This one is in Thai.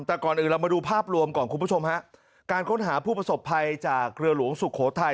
แต่ก่อนอื่นเรามาดูภาพรวมก่อนคุณผู้ชมฮะการค้นหาผู้ประสบภัยจากเรือหลวงสุโขทัย